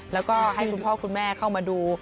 แล้วก็ให้คุณพ่อคุณแม่เข้ามาดู